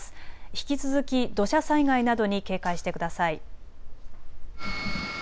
引き続き土砂災害などに警戒してください。